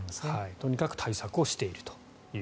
とにかく対策をしていると。